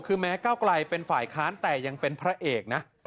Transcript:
คือแม้เก้าไกลเป็นฝ่ายค้านแต่ยังเป็นพระเอกนะ